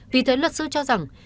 vì thế luật sư cho rằng